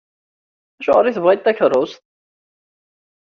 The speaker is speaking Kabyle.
Acuɣer i tebɣiḍ takerrust?